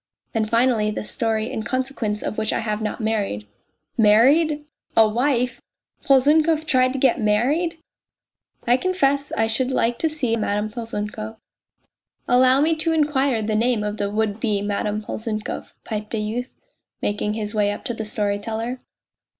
And, finally, the story, in consequence of which I have not married." " Married ! A wife ! Polzunkov tried to get married !!"" I confess I should like to see Madame Polzunkov." " Allow me to inquire the name of the would be Madame Polzunkov," piped a youth, making his way up to the storyteller.